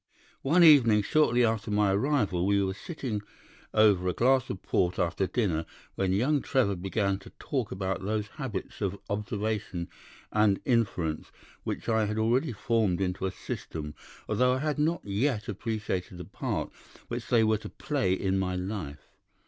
"One evening, shortly after my arrival, we were sitting over a glass of port after dinner, when young Trevor began to talk about those habits of observation and inference which I had already formed into a system, although I had not yet appreciated the part which they were to play in my life.